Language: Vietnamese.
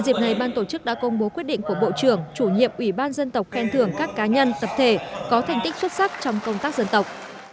dịp này ban tổ chức đã công bố quyết định của bộ trưởng chủ nhiệm ủy ban dân tộc khen thưởng các cá nhân tập thể có thành tích xuất sắc trong công tác dân tộc